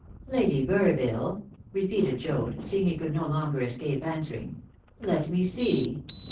"Lady Burville?" repeated Joad, seeing he could no longer escape answering; "let me see.